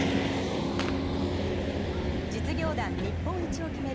実業団日本一を決める